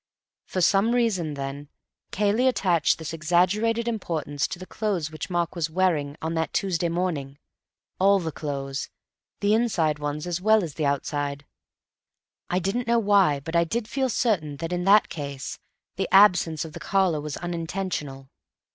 For some reason, then, Cayley attached this exaggerated importance to the clothes which Mark was wearing on that Tuesday morning; all the clothes, the inside ones as well as the outside ones. I didn't know why, but I did feel certain that, in that case, the absence of the collar was unintentional.